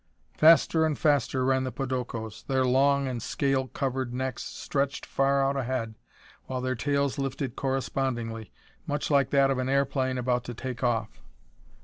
Faster and faster ran the podokos, their long and scale covered necks stretched far out ahead while their tails lifted correspondingly, much like that of an airplane about to take off.